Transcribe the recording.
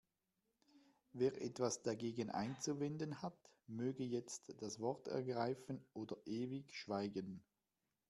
Wer etwas dagegen einzuwenden hat, möge jetzt das Wort ergreifen oder ewig schweigen.